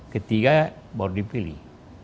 ketiga baru dipilih